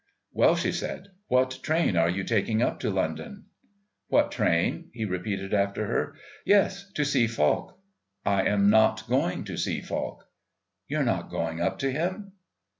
"Well," she said, "what train are you taking up to London?" "What train?" he repeated after her. "Yes, to see Falk." "I am not going to see Falk." "You're not going up to him?"